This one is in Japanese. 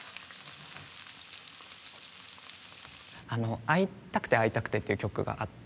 あの「会いたくて会いたくて」っていう曲があって。